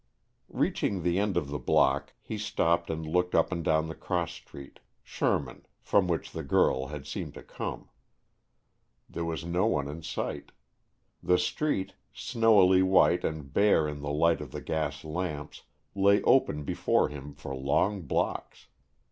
Reaching the end of the block he stopped and looked up and down the cross street, Sherman, from which the girl had seemed to come. There was no one in sight. The street, snowily white and bare in the light of the gas lamps, lay open before him for long blocks.